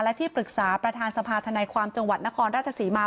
และที่ปรึกษาประธานสภาธนาความจังหวัดนครราชศรีมา